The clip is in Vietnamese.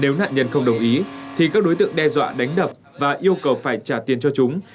nếu nạn nhân không đồng ý thì các đối tượng đe dọa đánh đập và yêu cầu phải trả tiền cho chúng